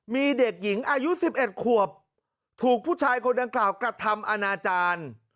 มีเด็กหญิงอายุ๑๑ขวบถูกผู้ชายคนดังกล่าวกระทำอนาจารย์